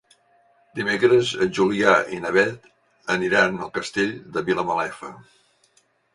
Dimecres en Julià i na Beth aniran al Castell de Vilamalefa.